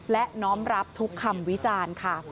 และน้อมรับทุกคำวิจารณ์ค่ะ